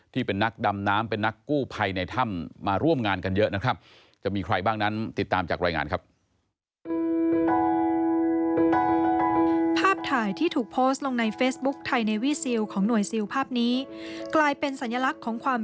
ที่เป็นนักดำน้ำเป็นนักกู้ไพรในถ้ำมาร่วมงานกันเยอะนะครับ